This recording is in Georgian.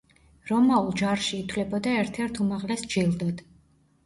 რომაულ ჯარში ითვლებოდა ერთ-ერთ უმაღლეს ჯილდოდ.